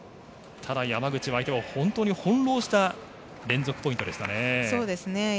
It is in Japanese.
ただ、山口はきょう、翻弄した連続ポイントでしたね。